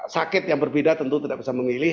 sakit yang berbeda tentu tidak bisa memilih